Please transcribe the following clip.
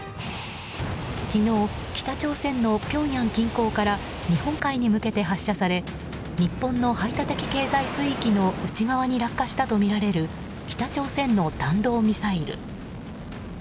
昨日北朝鮮のピョンヤン近郊から日本海に向けて発射され日本の排他的経済水域の内側に落下したとみられる北朝鮮の弾道ミサイル。